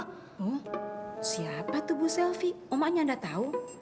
oh siapa tuh bu selfie omanya anda tahu